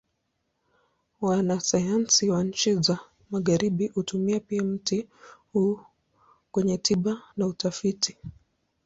Wanasayansi wa nchi za Magharibi hutumia pia mti huu kwenye tiba na utafiti.